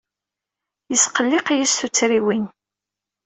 Yesqelliq-iyi s tuttriwin.